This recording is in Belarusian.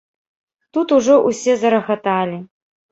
Тут ужо ўсе зарагаталі.